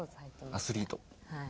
アスリート。